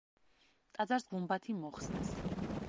ტაძარს გუმბათი მოხსნეს.